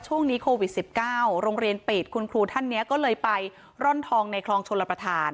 ช่วงนี้โควิด๑๙โรงเรียนปิดคุณครูท่านนี้ก็เลยไปร่อนทองในคลองชลประธาน